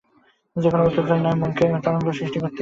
যে-কোন উত্তেজনার জন্য মনকে তরঙ্গ সৃষ্টি করিতেই হইবে।